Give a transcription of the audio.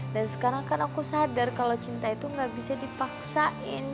dan sekarang kan aku sadar kalo cinta itu gak bisa dipaksain